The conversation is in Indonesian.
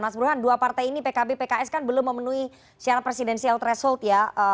mas burhan dua partai ini pkb pks kan belum memenuhi syarat presidensial threshold ya